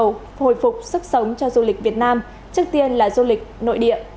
chương trình khôi phục sức sống cho du lịch việt nam trước tiên là du lịch nội địa